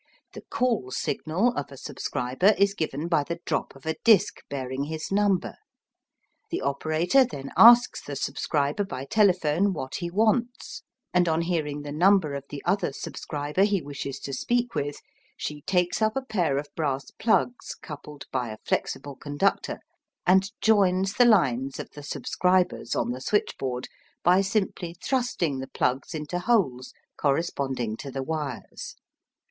The call signal of a subscriber is given by the drop of a disc bearing his number. The operator then asks the subscriber by telephone what he wants, and on hearing the number of the other subscriber he wishes to speak with, she takes up a pair of brass plugs coupled by a flexible conductor and joins the lines of the subscribers on the switchboard by simply thrusting the plugs into holes corresponding to the wires.